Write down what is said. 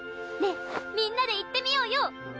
ねぇみんなで行ってみようよ！